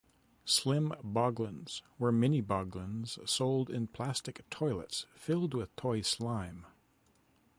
Slime Boglins were Mini Boglins sold in plastic toilets filled with toy slime.